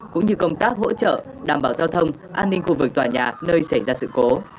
cũng như công tác hỗ trợ đảm bảo giao thông an ninh khu vực tòa nhà nơi xảy ra sự cố